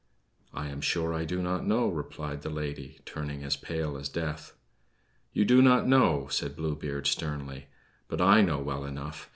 "I am sure I do not know," replied the lady, turning as pale as death. "You do not know?" said Blue Beard sternly. "But I know well enough.